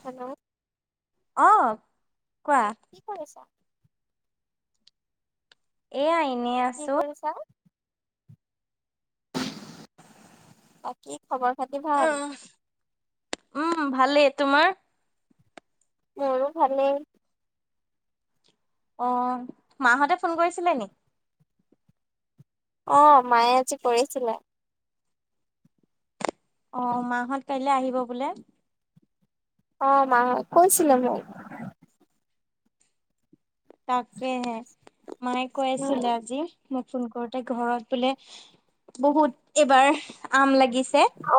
Hello অ কোৱা অ কি কৰি আছা এ আ কি কৰিছা বাকী খবৰ খাতি ভাল উম ভালেই তোমাৰ মোৰো ভালেই অহ মাহঁতে ফোন কৰিছিলে নি অ মায়ে আজি কৰিছিলে অ মাহত কাইলৈ আহিব বোলে অ মা কৈছিলে মোক তাকে হে মায়ে উম কয়ছিলে আজি ফোন কৰোতে ঘৰত বোলে বহুত এবাৰ আম লাগিছে অ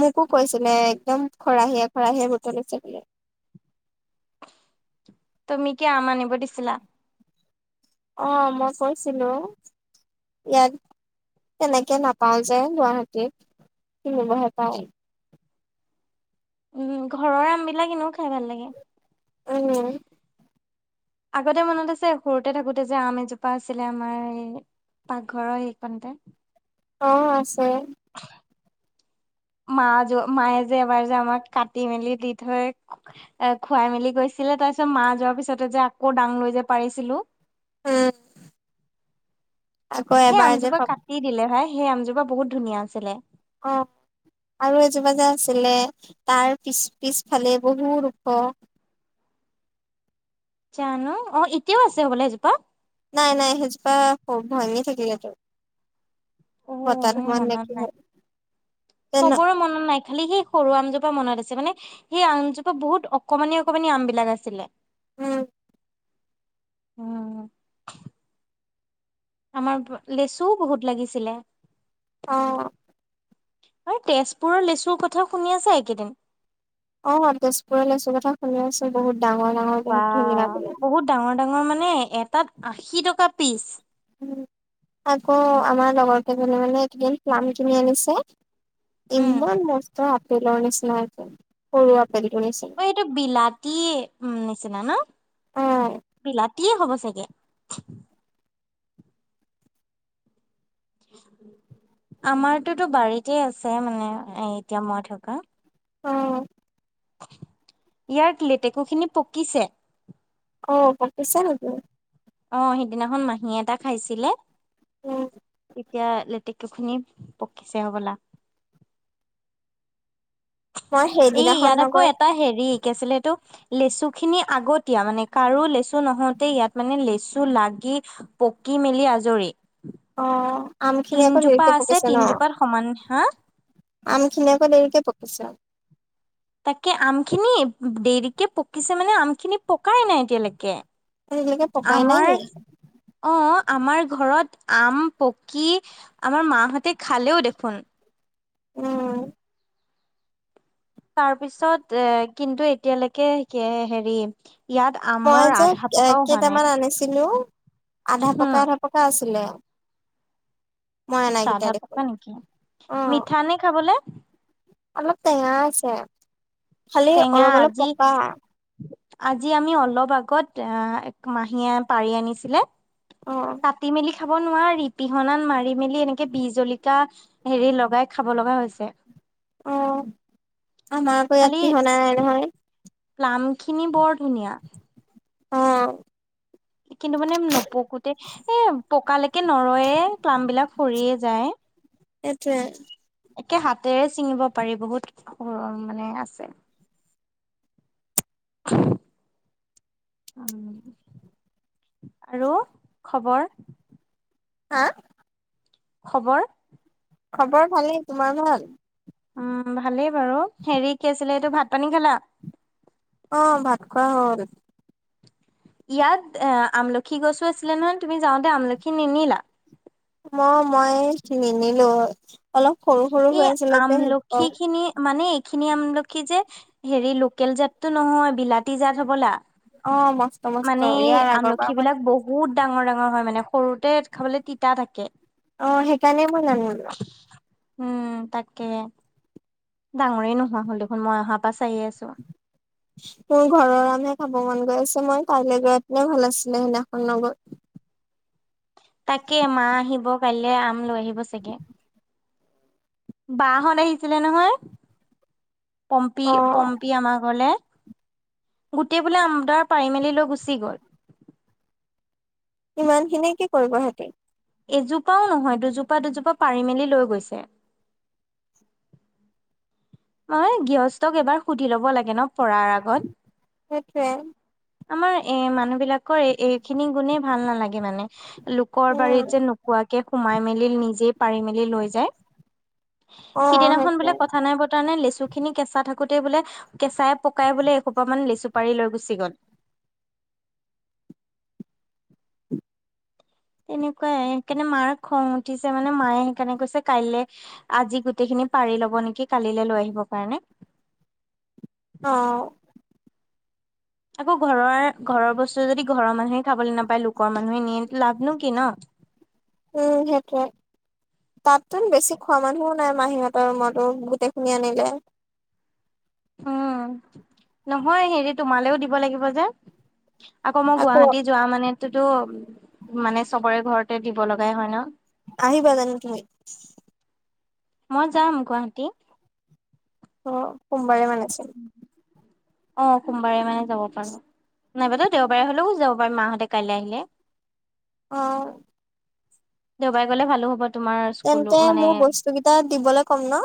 মোকো কৈছিলে একদম খৰাহীয়ে খৰাহীয়ে বুটলিছে বোলে তুমি কিয় আম আনিব দিছিলা? অ মই কৈছিলো ইয়াত কেনেকে নাপাওঁ যে গুৱাহাটীত কিনিবহে পাওঁ। উম ঘৰৰ আমবিলাক এনেও খাই ভাল লাগে। উম আগতে মনত আছে সৰুতে থাকোতে যে আম এজোপা আছিলে আমাৰ এই পাকঘৰৰ সেইখনতে অ আছে মা যোৱা মায়ে যে এবাৰ যে আমাক কাটি মেলি দি থৈ খুৱাই মেলি গৈছিলে তাৰ পিছত মা যোৱাৰ পিছতে যে আকৌ দাং লৈ যে পাৰিছিলো উম আকৌ সেই এবাৰ যে আমজোপা কাটি দিলে ভাই সেই আমজোপা বহুত ধুনীয়া আছিলে। অ আৰু এজোপাাজা আছিলে তাৰ পিছ পিছফালে বহু ওখ জানো অ এতিয়াও আছে হবলে এজোপা নাই নাই সেইজোপা খুব ভন থাকিলে তোৰ অ মোৰ মনত নাই তেনে চবৰে মনত নাই? খালি সেই সৰু আমজোপা মনত আছে মানে সেই আমজোপা বহুত অকমানি অকমানি আম বিলাক আছিলে উম উম আমাৰ লেচুও বহুত লাগিছিলে- অ হয় তেজপুৰৰ লেচুৰ কথাও শুনি আছা এইকেইদিন অ তেজপুৰ ল আছো কথা শুনি আছো বহুত ডাঙৰ ডাঙৰ বা বহুত ধুনীয়া বোলে বহুত ডাঙৰ ডাঙৰ মানে নে এটাত আশী টকা পিচ আকৌ আমাৰ লগৰতেলে মানে এইদিন কিমা কিনি আনিছে উম ইমান মস্ত তেলৰ নিচিনা সৰু আপেলটোৰ নিচিনা অ এইটো বিলতি উ নিচিনা ন, অ বিল কি হ'ব চাগে। আমাৰতোতো বাৰীতে আছে মানে, এতিয়া মই থকা অঁ ইয়াক লেটেকুখিনি পকিছে। অ পকিছে নেকি? অ সিদিনাখন মাহীয়ে এটা খাইছিলে। উম এতিয়া লেতেকু খিনি পকিছে হ'বলা। মই এই সেইদিনাখন ইয়াত আকৌ লগৰ এটা হেৰি কি আছিল তটো, লেচু খিনি আগতীয়া, মানে কাৰো লেচু নহওতে, ইয়াত মানে লেচু লাগি পকি মেলি আজৰি। অঁ আম খিনি আকৌ তিনজোপা দেৰিকে আছে পকিছে ন? তিনজোপাত সমান হা আম খিনি আকৌ দেৰিকে পকিছে তাকে আমখিনি দেৰিকে পকিছে মানে, আমখিনি পকাই নাই এতিয়ালৈকে আজিলৈকে পকাই নাই আমাৰ নি অঁ আমাৰ ঘৰত আম পকী আমাৰ মাহঁতে খালেও দেখোন। উম! তাৰ পিছত এ কিন্তু এতিয়ালৈকে, হেৰি ইয়াত মই আমৰ যে আধা পকাও হোৱা নাই। কেইটামান আনিছিলো আধা হম, পকা আধা পকা আছিলে। মই আচ্ছা অনাকেইটা আধা পকা দেখোন নেকি, অ মিঠা নে খাবলৈ? অলপ টেঙা, আছে। খালি টেঙা অলপ অলপ আজি পকা। আজি আমি অলপ আগত, মাহীয়ে পাৰি আনিছিলে অ তাতি মেলি খাব নোৱাৰা ৰিপিহনন মাৰি মেলি এনেকে বি জলিকা হেৰি লগাই খাব লগা হৈছে। অ আমাৰ আকৌ ইয়াত পিহনা নহয়। প্লাম্পখিনি বৰ ধুনীয়া। অঁ! কিন্তু মানে নপকোতে এ পকালৈকে নৰয়ে ক্লাম বিলাক সৰিয়ে যায়। এটোৱেযে একে হাতেৰে ছিঙিব পাৰি বহুত, স মানে আছে। আৰু খবৰ? হা? খবৰ? খবৰ ভালেই, তোমাৰ ভাল? উম ভালেই বাৰু হেৰি কি আছিলে এইটো ভাত পনিখালা? অ ভাত খোৱা হ'ল। ইয়াত এ আমলখি গছো আছিলে নহয় তুমি যাওঁতে আমলখি নিনিলা? অ মই নিনিলো। অলপ সৰু সৰু এই হৈ আছিলে যে [unintelligible] মানে এই খিনি আমলখি যে হেৰি লোকেল জাততটো নহয় বিলাতি জাত হবলা? অঁ। মানে আমলখি বিলাক বহুত ডাঙৰ ডাঙৰ হয় মানে। সৰুতে খাবলৈ তিতা থাকে। অ সেইকাৰণে মই নানিলো উম তাকে ডাঙৰেই নোহোৱা হ'ল দেখোন মই অহাৰ পৰা চাইে আছো। মোৰ ঘৰৰ আমহে খাব মন গৈ আছে মই কাইলৈ গৈপিনেও ভাল আছিলে। সেইদিনাখন নগৈ- তাকে মা আহিব পাৰিলে আম লৈ আহিব ব ছাগে। বা হত আহিছিলে নহয়। পম্পী অ পম্পী আমাৰ ঘৰলে। গোটেই বোলে আম দৰা পাৰিমেলি লৈ গুচি গ'ল। ইমান খিনি কি কৰিব সিহঁতি? এজোপাও নহয় দুজোপা দুজোপা পাৰি মেলি লৈ গৈছে। অই গৃহস্থক এবাৰ সুধি ল'ব লাগে ন পৰাৰ আগত। সেইটোৱে আমাৰ এ মানুহ বিলাক কৰ এইখিনি গুণেই ভাল নালাগে মানে, লোকৰ বাৰীত উম যে নোকোৱাকে সোমাই মেলি নিজে পাৰি মেলি লৈ যাই। অ সিদিনাখন সেইটোৱে বোলে কথা নাই ব নে লেচু খিনি কেঁচা থাকোতেই বোলে কেঁচাই পকাই বোলে এখুপামান লেচু পাৰি লৈ গুচি গ'ল। তেনেকুৱাই সেইকাৰণে মাৰ খং উঠিছে মানে মায়ে সেইকাৰণে কৈছে কাইলে আজি গোটেই খিনি পাৰি লব নেকি কালিলৈ লৈ আহিব কাৰণে। অ আকৌ ঘৰৰ ঘৰৰ বস্তু যদি ঘৰৰ মানুহে খাবলৈ নাপায় লোকৰ মানুহে নিয়ে লাভ নো কি ন। উম সেইটোৱে তাততো বেছি খোৱা মানুহও নাই মাহীহঁতৰ ৰুমতো গোটেইখিনি আনিলে। উম নহয় হেৰি তোমালৈও দিব লাগিব যে। আকৌ মই গুৱাহাটী যোৱা মনেটোটো মানে চবৰে ঘৰত তা দিব লগাই হয় ন। আহিবা জানো তুমি মই যাম গুৱাহাটী। অ সোমবাৰে মানে। ছে অ সোমবাৰে মানে যাব পাৰো, নাইবাটো দেওবাৰে হলেও গুচি যাব পাৰিম মাহঁতে কাইলৈ আহিলে। অ দেওবাৰে গ'লে ভালো হ'ব। তোমাৰ স্কুলো তেন্তে মানে মোৰ বস্তু কেইটা দিবলৈ ক'ম ন।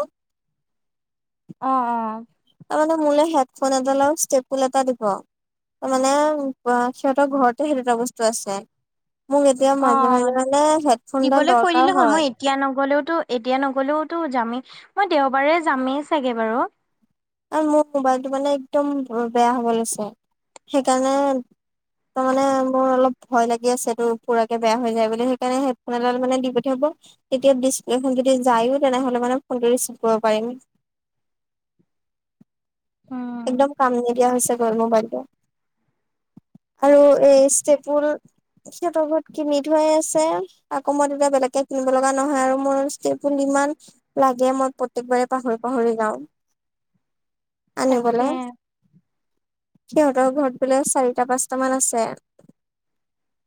অ অ তাৰমানে মোলে হেডফোন এডাল আৰু ষ্টেপুল এটা দিব, তাৰমানে সিহঁতৰ ঘৰতে সেই দুটা বস্তু আছে। মোক এতিয়া মাজে মাজে অ', মানে হেডফোনডাল দৰকাৰ হয়। টো এতিয়া নগলেওতো যামেই মই দেওবাৰে যামেই চাগে বাৰু। আৰু মোৰ মোবাইলটো মানে একদম বেয়া হ'ব লৈছে সেইকাৰণে তাৰ মানে মোৰ অলপ ভয় লাগি আছে এইটো পুৰাকে বেয়া হৈ যায় বুলি সেইকাৰণে হেডফোন এডাল মানে দি পঠিয়াব তেতিয়া ডিছপ্লেখন যদি যায়ো তেনেহ'লে মানে ফোনটো ৰিচিভ কৰিব পাৰিম। উম, একদম কাম নিদিয়া হৈছে গৈ মোবাইলটো আৰু এই ষ্টেপুল সিহঁতৰ ঘৰত কিনি থোৱাই আছে আকৌ মই তেতিয়া বেলেগকে কিনিব লগা নহয় আৰু মোৰ ষ্টেপুল ইমান লাগে মই প্ৰত্যেকবাৰে পাহৰি পাহৰি যাওঁ। আনিবলে তাকে। সিহঁতৰ ঘৰত বোলে চাৰিটা পাঁচটামান আছে।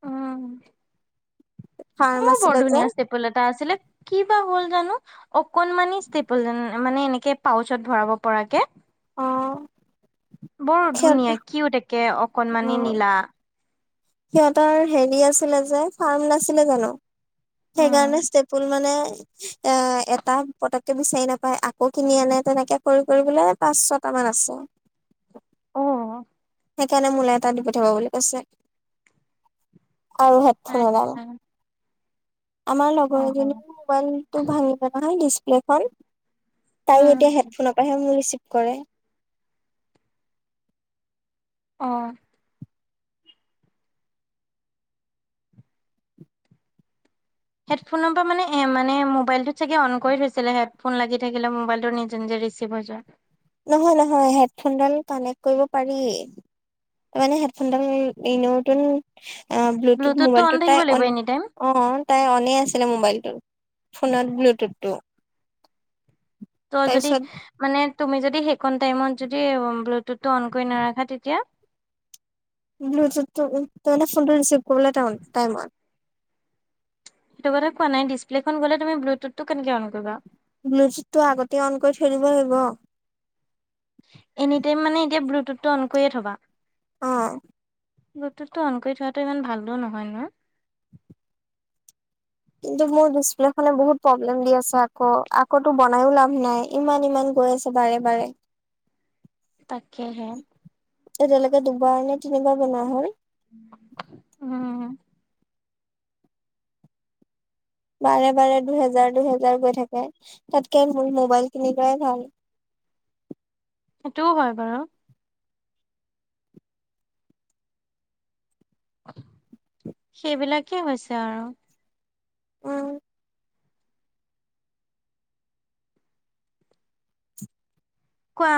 উম, ফাৰ্ম মোৰ বৰ আছিলে যে ধুনীয়া ষ্টেপল এটা আছিলে কি বা হ'ল জানো। হহ। অকনমানি ষ্টেপল। মানে এনেকে পাউচত ভৰাব পৰাকে। অ বৰ সিহঁত ধুনীয়া কিউটকে অ। অকণমানি নীলা। সিহঁতৰ হেৰি আছিলে যে, ফাৰ্ম নাছিলে জানো? সেইকাৰণে উম, ষ্টেপুল মানে। এ, এটা পতককে বিচাৰি নাপায়। আকৌ কিনি আনে তেনেকে কৰি কৰি বোলে পাঁচ ছটা মান আছে। অহ। সেইকাৰণে মোল এটা দি পঠাব বুলি কৈছে। আৰু হেডফোন এডাল। আচ্ছা আমাৰ লগৰ অ', এজনীও মোবাইল টো ভাঙি পেলই দিছ। এখন। তাইও উম, এতিয়া হেডফোনৰ পৰাহে মোৰ ৰিচিপ। কৰে। অহ। হেডফোনৰ পৰা মানে এ মানে মোবাইলটোত চাগে, অন কৰি থৈছিলে হেডফোন লাগি থাকিলে মোবাইল টোৰ নিজে নিজে ৰিচিভ হৈ যোৱা। নহয় নহয়, হেডফোনডাল কানেক্ট কৰিব পাৰি ত মানে হেডফোনডাল নতুন। অ, ব্লুটুথ ব্লুটুথটো অন মোবাইলটো তাই থাকিব লাগিব এনি টাইম অ তাই অনেই আছিলে মোবাইলটোত। ফোনত ব্লুটুথটো। তই যদি তাৰপিছত মানে। তুমি যদি হেই। কোন টাইমত যদি ব্লুটুথ। টো অন কৰি নাৰাখা তেতিয়া? ব্লুটুথ উম ফোনটো ৰিচিভ। টাউন টাইমত। সেইটো কথা কোৱা নাই, ডিছপ্লেখন গ'লে তুমি ব্লুটুথটো কেনেকে অন কৰিবা? ব্লুটুথটো আগতে অন কৰি থৈদিব লাগিব। এনি টাইম মানে এতিয়া ব্লুটুথটো অন কৰিয়ে থবা। অহ। গোটতটো অন কৰি থোৱাটো ইমান ভালো নহয় ন? কিন্তু মোৰ ডিচপ্লেখনে বহুত প্ৰব্লেম দি আছে, আকৌ আকৌ বনাইো লাভ নাই ইমান ইমান গৈ আছে বাৰে বাৰে। তাকেহে। এতিয়ালৈকে দুবাৰ নে তিনিবাৰ বনোৱা হয়। উম। বাৰে বাৰে দুহেজাৰ দুহেজাৰ গৈ থাকে তাতকে মোৰ মোবাইল কিন লোৱাই ভাল। সেইটোও হয় বাৰু সেইবিলাকেই হৈছে আৰু অহ কোৱা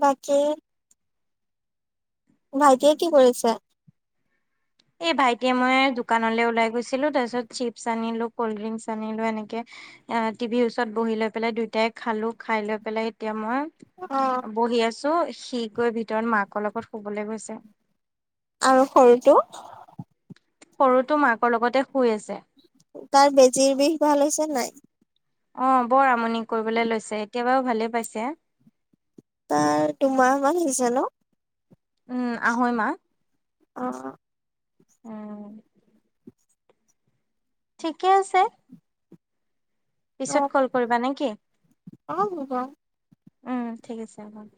বাকী ভাইটিয়ে কি কৰিছে এ ভাইটিয়ে মই দোকানলৈ ওলাই গৈছিলো তাৰপিছত চিপছ আনিলো কল্ড ড্ৰিংকচ আনিলো এনেকে টি ভিৰ ওচত বহি লৈ পেলাই দুয়ইটাই খালো খাই লৈ পেলাই এতিয়া মই অ বহি আছো সি গৈ ভিতৰত মাকৰ লগত শুবলৈ গৈছে আৰু সৰুটো সৰুতটো মাকৰ লগতে শুই আছে তাৰ বেজিৰ বিষ ভাল হৈছে নাই অ বৰ আমনিক কৰিবলৈ লৈছে কেতিয়াবাও ভালে পাইছে তা তোমাৰ মান হৈছে ন উম আহৈমা অ উ ঠিকে আছে অ পিছত কল কৰিবা নেকি অ হ'ব উম ঠিক আছে হ